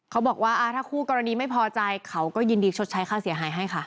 เขาบอกว่าถ้าคู่กรณีไม่พอใจเขาก็ยินดีชดใช้ค่าเสียหายให้ค่ะ